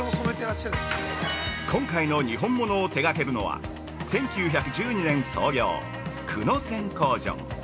◆今回のにほんものを手がけるのは、１９１２年創業、久野染工場。